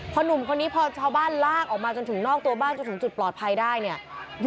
พอหนุ่มคนนี้พอชาวบ้านลากออกมาจนถึงนอกตัวบ้านจนถึงจุดปลอดภัยได้เนี่ย